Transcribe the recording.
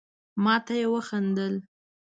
ما ته يي وخندل.